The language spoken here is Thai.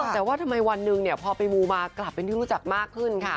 แต่ว่าทำไมวันหนึ่งพอไปมูมากลับเป็นที่รู้จักมากขึ้นค่ะ